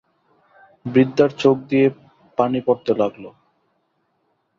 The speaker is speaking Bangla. বৃদ্ধার চােখ দিয়ে পানি পড়তে লাগল।